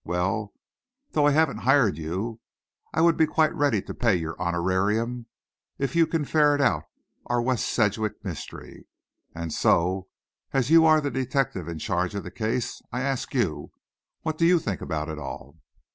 Well, though I haven't 'hired' you, I would be quite ready to pay your honorarium if you can ferret out our West Sedgwick mystery. And so, as you are the detective in charge of the case, I ask you, what do you think about it all?"